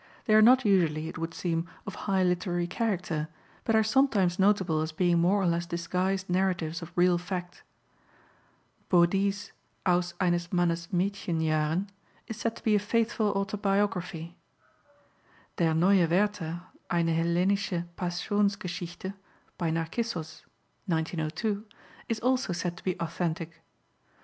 They are not usually, it would seem, of high literary character, but are sometimes notable as being more or less disguised narratives of real fact. Body's Aus Eines Mannes Mädchenjahren is said to be a faithful autobiography. Der Neue Werther: eine Hellenische Passions geschichte by Narkissos (1902) is also said to be authentic.